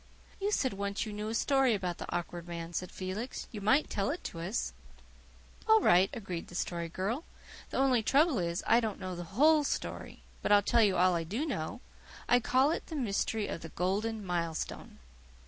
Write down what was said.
"You said once you knew a story about the Awkward Man," said Felix. "You might tell it to us." "All right," agreed the Story Girl. "The only trouble is, I don't know the whole story. But I'll tell you all I do know. I call it 'The Mystery of the Golden Milestone.